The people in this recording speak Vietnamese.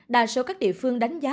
đa số các địa phương đánh giá